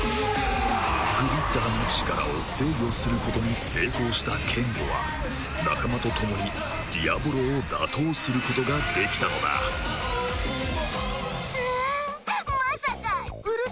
グリッターの力を制御することに成功したケンゴは仲間とともにディアボロを打倒することができたのだうわぁ